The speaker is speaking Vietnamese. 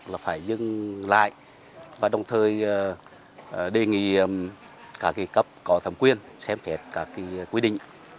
là phải dừng lại và đồng thời đề nghị các cấp có thẩm quyền xem xét các quy định